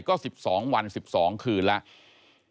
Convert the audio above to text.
ก็๑๒วัน๑๒คืนแล้ว